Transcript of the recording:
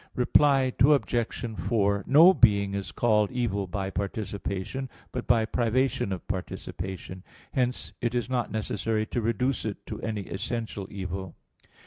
Reply Obj. 4: No being is called evil by participation, but by privation of participation. Hence it is not necessary to reduce it to any essential evil.